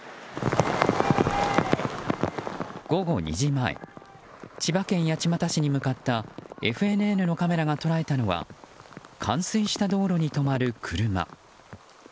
午後２時前千葉県八街市に向かったＦＮＮのカメラが捉えたのは冠水した道路に止まる車。